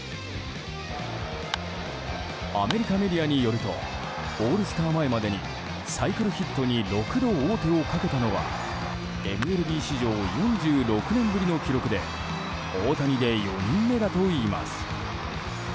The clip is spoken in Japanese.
アメリカメディアによるとオールスター前までにサイクルヒットに６度、王手をかけたのはＭＬＢ史上４６年ぶりの記録で大谷で、４人目だといいます。